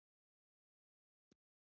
هېواد د هغې خاورې نوم دی چې مینه پکې وي.